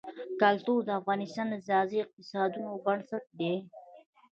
کلتور د افغانستان د ځایي اقتصادونو بنسټ دی.